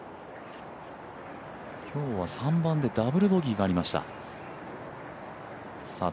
今日は３番でダブルボギーがありました。